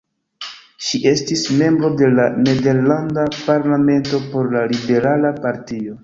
Ŝi estis membro de la nederlanda parlamento por la liberala partio.